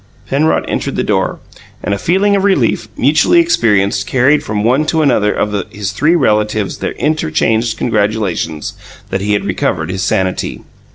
Penrod entered the door, and a feeling of relief, mutually experienced, carried from one to another of his three relatives their interchanged congratulations that he had recovered his sanity.